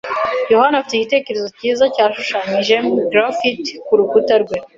yohani afite igitekerezo cyiza cyashushanyije graffiti kurukuta rwe.